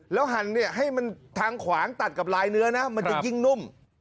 หั่นเนี่ยให้มันทางขวางตัดกับลายเนื้อนะมันจะยิ่งนุ่ม